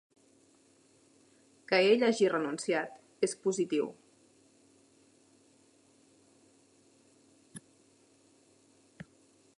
Que ell hagi renunciat és positiu.